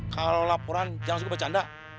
kalau laporan jangan suka bercanda